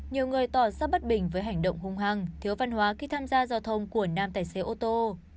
nhiều người tỏ ra bất bình với hành động hung hăng thiếu văn hóa khi tham gia giao thông của nam tài xế ô tô